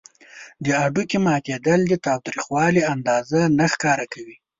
د هډوکي ماتیدل د تاوتریخوالي اندازه نه ښکاره کوي.